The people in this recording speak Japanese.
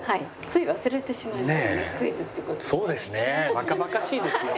つい忘れてしまいますね